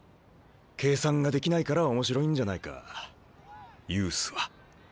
計算ができないから面白いんじゃないかユースは。